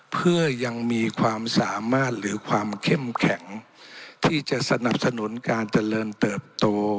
เพื่อยังมีความสามารถหรือความเข้มแข็งที่จะสนับสนุนการเจริญเติบโต